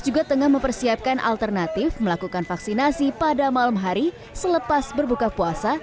juga tengah mempersiapkan alternatif melakukan vaksinasi pada malam hari selepas berbuka puasa